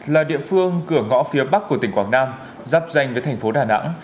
là địa phương cửa ngõ phía bắc của tỉnh quảng nam giáp danh với thành phố đà nẵng